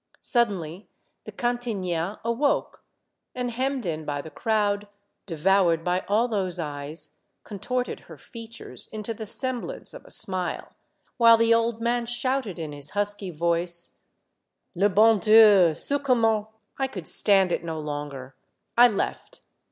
Suddenly the cantiniere awoke, and hemmed in by the crowd, devoured by all those eyes, contorted her features into the sem blance of a smile, while the old man shouted in his husky voice, " Le bon Dieu, saoM comme tin —." I could stand it no longer. I left.